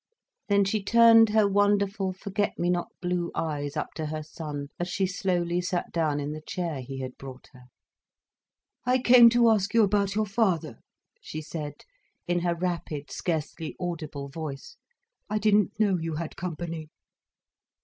Then she turned her wonderful, forget me not blue eyes up to her son, as she slowly sat down in the chair he had brought her. "I came to ask you about your father," she said, in her rapid, scarcely audible voice. "I didn't know you had company."